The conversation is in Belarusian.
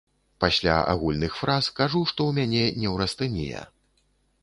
Пасля агульных фраз кажу, што ў мяне неўрастэнія.